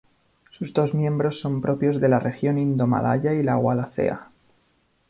Sus dos miembros son propios de la región indomalaya y la Wallacea.